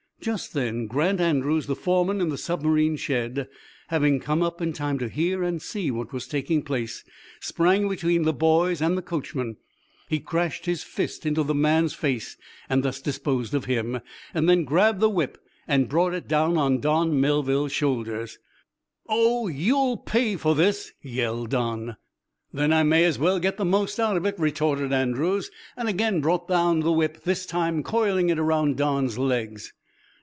Just then Grant Andrews, the foreman in the submarine shed, having come up in time to hear and see what was taking place, sprang between the boys and the coachman. He crashed his fist into the man's face, and thus disposed of him, then grabbed the whip and brought it down on Don Melville's shoulders. "Oh, you'll pay for this!" yelled Don. "Then I may as well get the most out of it," retorted Andrews, and again brought down the whip, this time coiling it around Don's legs.